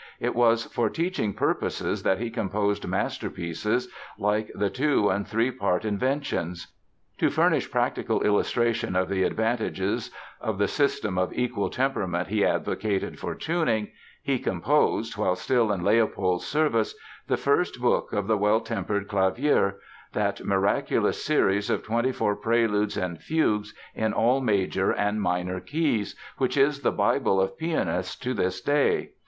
It was for teaching purposes that he composed masterpieces like the Two and the Three Part Inventions. To furnish practical illustration of the advantages of the system of equal temperament he advocated for tuning, he composed, while still in Leopold's service, the first book of the Well Tempered Clavier, that miraculous series of twenty four preludes and fugues in all major and minor keys, which is the Bible of pianists to this day.